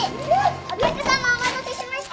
・お客さまお待たせしました。